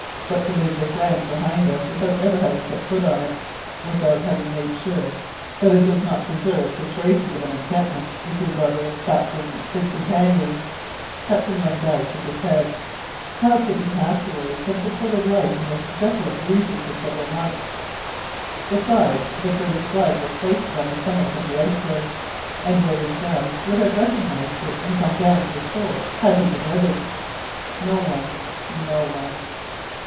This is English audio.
"But, to leave this land behind us without ever having set foot on it, without having made sure that it does not preserve the traces of an encampment, if your brother, captain his companions " Captain Len Guy shook his head. How could the castaways have supported life in this desolate region for several months? Besides, the British flag was hoisted on the summit of the iceberg, and William Guy would have recognized it and come down to the shore had he been living. No one. No one.